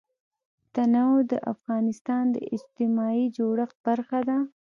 تنوع د افغانستان د اجتماعي جوړښت برخه ده.